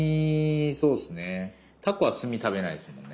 タコは墨食べないですもんね。